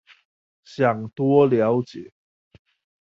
想多了解